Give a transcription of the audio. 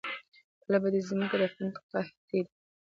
کله په دې زمکه د فن قحطي ده